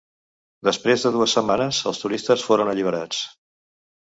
Després de dues setmanes els turistes foren alliberats.